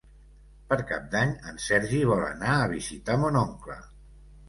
Per Cap d'Any en Sergi vol anar a visitar mon oncle.